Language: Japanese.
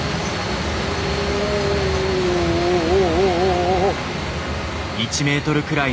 おお。